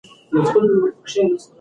دا زموږ د روح ژبه ده.